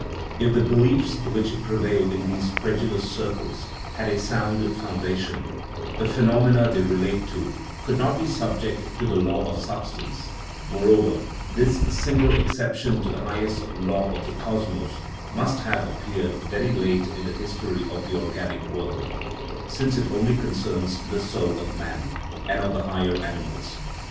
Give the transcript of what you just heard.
If the beliefs which prevail in these credulous circles had a sound founda tion, the phenomena they relate to could not be subject to the " law of substance "; moreover, this single ex ception to the highest law of the cosmos must have ap peared very late in the history of the organic world, since it only concerns the " soul " of man and of the higher animals.